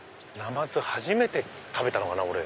まず初めて食べたのかな俺。